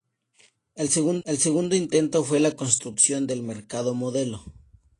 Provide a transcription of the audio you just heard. El segundo intento fue la construcción del Mercado Modelo.